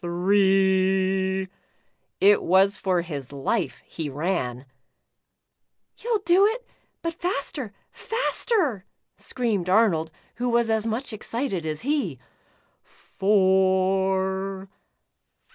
" Three !" It was for his life he ran. "You'll do it, but faster, y^^/^/'," screamed Arnold, who was as much excited as he. *' Four